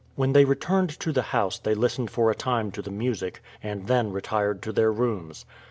When they returned to the house they listened for a time to the music, and then retired to their rooms.